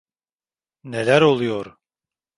Neler oluyor?